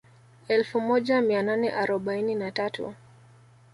Elfu moja mia nane arobaini na tatu